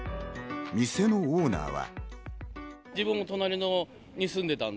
店のオーナーは。